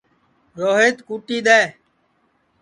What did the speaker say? روہیت کُٹی دؔے